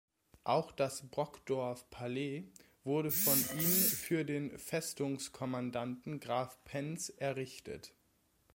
Auch das Brockdorff-Palais wurde von ihm für den Festungskommandanten Graf Pentz errichtet.